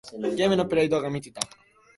ゲームのプレイ動画みてた。